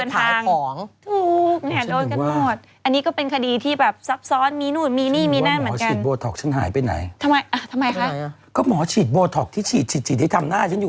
แต่ก็คงดี๕๕ผมไม่รู้น่ะจะตามหมอ